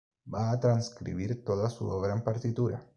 Va a transcribir toda su obra en partitura.